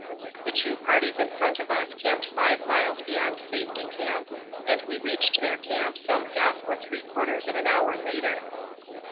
The two parties in front of us camped 5 miles beyond Safety Camp, and we reached their camp some half or three quarters of an hour later.